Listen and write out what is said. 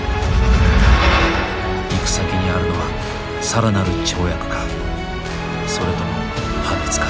行く先にあるのは更なる跳躍かそれとも破滅か。